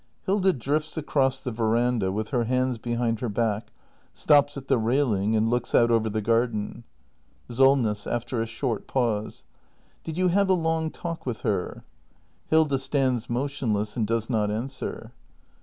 [Hilda drifts across the veranda with her hands be hind her bach, stops at the railing and looks out over the garden. Solness. [After a short pause.] Did you have a long talk with her ? [Hilda stands motionless and does not answer.